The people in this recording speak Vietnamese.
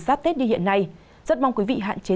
sát tết đi hiện nay rất mong quý vị hạn chế